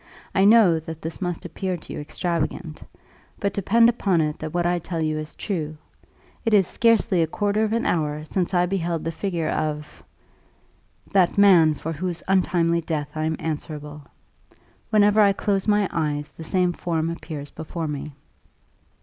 I know that this must appear to you extravagant; but depend upon it that what I tell you is true. It is scarcely a quarter of an hour since I beheld the figure of , that man for whose untimely death I am answerable. Whenever I close my eyes the same form appears before me."